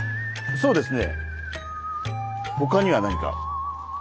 そうですね。